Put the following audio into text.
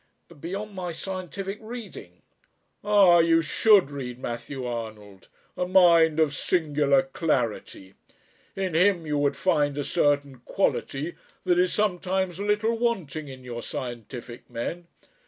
"Beyond my scientific reading " "Ah! you should read Matthew Arnold a mind of singular clarity. In him you would find a certain quality that is sometimes a little wanting in your scientific men.